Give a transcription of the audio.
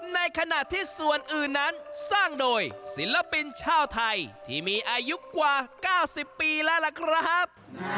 ในขณะที่ส่วนอื่นนั้นสร้างโดยศิลปินชาวไทยที่มีอายุกว่า๙๐ปีแล้วล่ะครับ